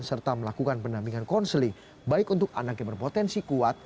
serta melakukan pendampingan konseling baik untuk anak yang berpotensi kuat